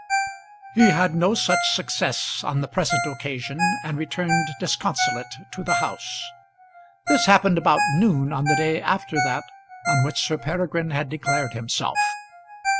He had no such success on the present occasion and returned disconsolate to the house. This happened about noon on the day after that on which Sir Peregrine had declared himself.